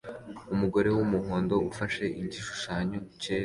Umugore wumuhondo ufashe igishusho cyera